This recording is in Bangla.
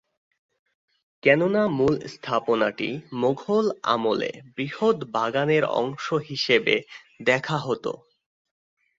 কেননা মূল স্থাপনাটি মোঘল আমলে বৃহৎ বাগানের অংশ হিসেবে দেখা হতো।